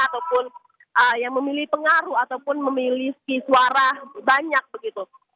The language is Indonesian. ataupun yang memilih pengaruh ataupun memiliki suara banyak begitu